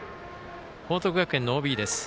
報徳学園のＯＢです。